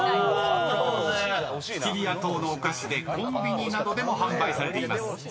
［シチリア島のお菓子でコンビニなどでも販売されています］